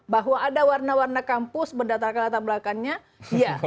bahwa ada warna warna kampus berdata data belakangnya ya